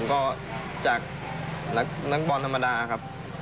ก็เป็นความสำเร็จหน่อยนะครับผมว่าพอดีว่าจับหูกก็มาเป็นประสบความสำเร็จนะครับ